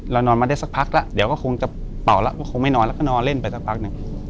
เรานอนมาได้สักพักล่ะเดี๋ยวก็คงจะป่าวไม่นอนแล้วก็นอนเล่นไปสักพักหนึ่ง